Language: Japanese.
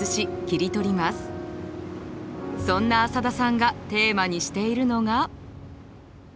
そんな浅田さんがテーマにしているのが。